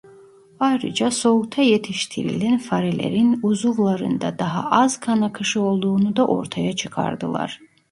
Ayrıca soğukta yetiştirilen farelerin uzuvlarında daha az kan akışı olduğunu da ortaya çıkardılar.